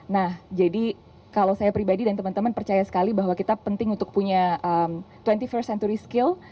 nah jadi kalau saya pribadi dan teman teman percaya sekali bahwa kita penting untuk punya dua puluh first century skill